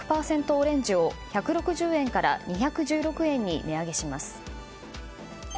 オレンジを１６０円から２１６円に値上げします。